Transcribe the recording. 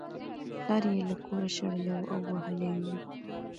پلار یې له کوره شړلی و او وهلی یې و